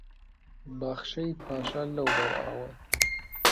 باخچەی پاشا لەوبەر ئاوە